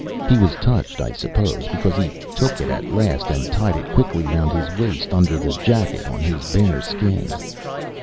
He was touched, I supposed, because he took it at last and tied it quickly round his waist under the jacket, on his bare skin.